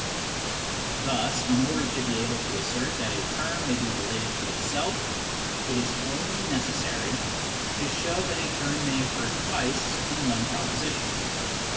Thus in order to be able to assert that a term may be related to itself, it is only necessary to show that a term may occur twice in one proposition.